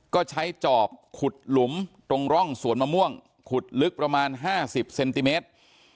ก็ใช้จอบขุดหลุมตรงร่องสวนมะม่วงขุดลึกประมาณ๕๐เซนติเมตร